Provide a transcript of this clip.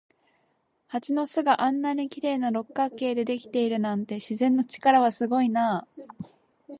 蜂の巣があんなに綺麗な六角形でできているなんて、自然の力はすごいなあ。